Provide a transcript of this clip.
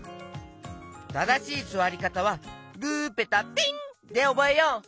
ただしいすわりかたは「グーペタピン」でおぼえよう！